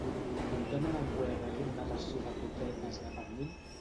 Puc demanar amb Webel una ració de croquetes de pernil?